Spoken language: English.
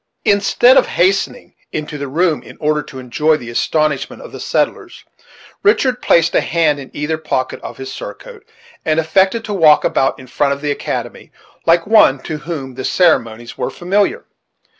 Instead of hastening into the room in order to enjoy the astonishment of the settlers, Richard placed a hand in either pocket of his surcoat, and affected to walk about, in front of the academy, like one to whom the ceremonies were familiar.